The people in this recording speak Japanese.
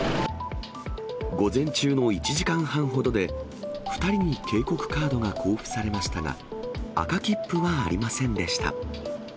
午前中の１時間半ほどで、２人に警告カードが交付されましたが、赤切符はありませんでした。